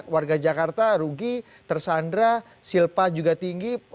warga jakarta rugi tersandra silpa juga tinggi